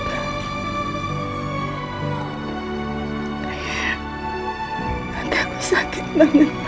nanti aku sakit banget